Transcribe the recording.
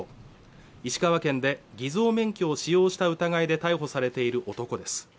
石川県で偽造免許を使用した疑いで逮捕されている男です